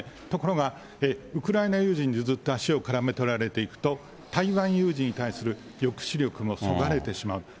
ところがウクライナ有事に足をからめ取られていると、台湾有事に対する抑止力もそがれてしまう。